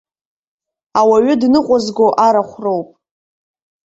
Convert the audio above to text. Ауаҩы дныҟәызго арахә роуп.